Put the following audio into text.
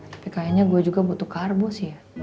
tapi kayaknya gue juga butuh karbo sih ya